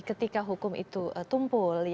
ketika hukum itu tumpul